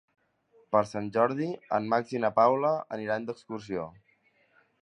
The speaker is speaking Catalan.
Per Sant Jordi en Max i na Paula aniran d'excursió.